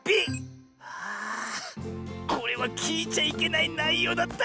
これはきいちゃいけないないようだった。